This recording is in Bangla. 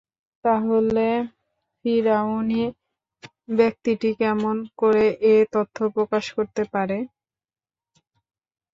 তাহলে ফিরআউনী ব্যক্তিটি কেমন করে এ তথ্য প্রকাশ করতে পারে?